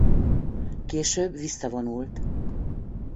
Később visszavonult.